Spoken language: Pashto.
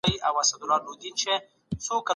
کله چي یو څوک له قدرته ولویده نو یوازې پاتې سو.